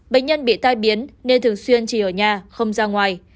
bệnh nhân bị tai biến nên thường xuyên chỉ ở nhà không ra ngoài